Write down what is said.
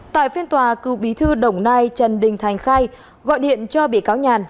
tại phiên tòa cựu bí thư đồng nai trần đình thành khai gọi điện cho bị cáo nhàn